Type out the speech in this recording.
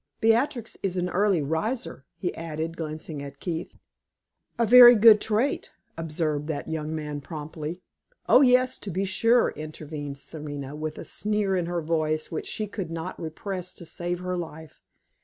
Beatrix is an early riser," he added, glancing at Keith. "A very good trait," observed that young man, promptly. "Oh, yes, to be sure," intervened Serena, with a sneer in her voice which she could not repress to save her life.